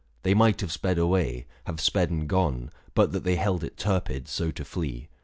They might have sped away, have sped and gone, But that they held it turpid so to flee.